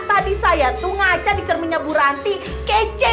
tadi saya tuh ngaca di cerminnya bu ranti kece